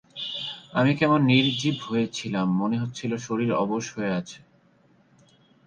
আমি কেমন নির্জীব হয়ে ছিলাম, মনে হচ্ছিল শরীর অবশ হয়ে আছে।